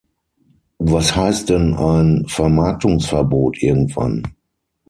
Was heißt denn ein Vermarktungsverbot irgendwann?